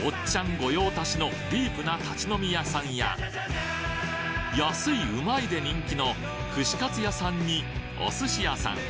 御用達のディープな立ち飲み屋さんや安いうまいで人気の串かつ屋さんにお寿司屋さん。